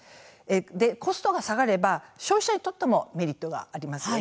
コストが下がれば消費者にとってもメリットがあります。